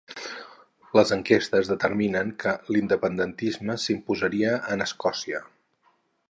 Les enquestes determinen que l'independentisme s'imposaria en Escòcia